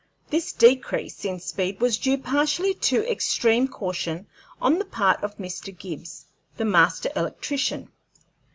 This decrease in speed was due partially to extreme caution on the part of Mr. Gibbs, the Master Electrician.